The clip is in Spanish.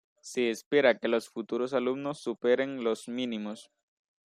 Se espera que los futuros alumnos superen los mínimos.